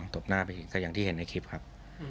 ตบหน้าไปอีกก็อย่างที่เห็นในคลิปครับ